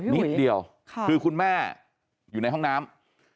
นิดเดียวคือคุณแม่อยู่ในห้องน้ำ